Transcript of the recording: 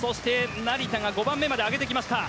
成田、５番目まで上げてきた。